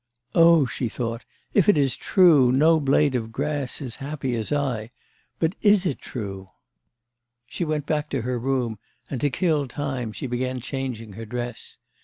'Oh!' she thought, 'if it is true, no blade of grass is happy as I. But is it true?' She went back to her room and, to kill time, she began changing her dress.